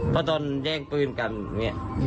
เพราะตอนแย่งปืนกันอย่างนี้